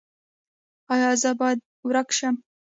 ایا زه باید ورک شم؟